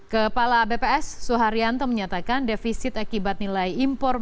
kepala bps soeharyanto menyatakan defisit akibat nilai impor mei dua ribu delapan belas